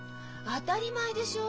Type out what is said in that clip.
当たり前でしょ！